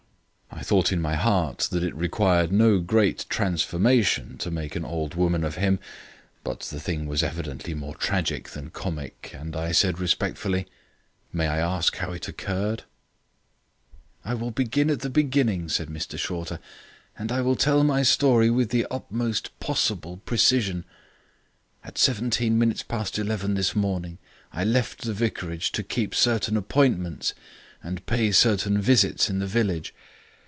I thought in my heart that it required no great transformation to make an old woman of him, but the thing was evidently more tragic than comic, and I said respectfully: "May I ask how it occurred?" "I will begin at the beginning," said Mr Shorter, "and I will tell my story with the utmost possible precision. At seventeen minutes past eleven this morning I left the vicarage to keep certain appointments and pay certain visits in the village.